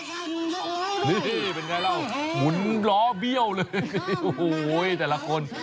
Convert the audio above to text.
นี่เป็นไงแล้วหมุนล้อเบี้ยวเลยโอ้โหแต่ละคน